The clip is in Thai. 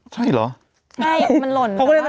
ใช่มันหล่นก็ว่า